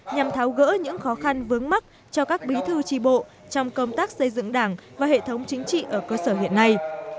nhằm tháo gỡ những khó khăn vướng mắt cho các bí thư tri bộ trong công tác xây dựng đảng và hệ thống chính trị ở cơ sở hiện nay